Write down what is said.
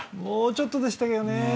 もうちょっとでしたけどね。